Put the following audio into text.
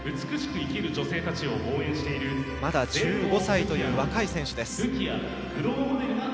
まだ１５歳という若い選手です。